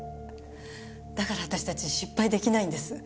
だから私たち失敗出来ないんです。